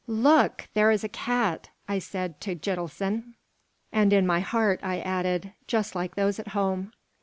"Look! there is a cat!" I said to Gitelson. And in my heart I added, "Just like those at home!"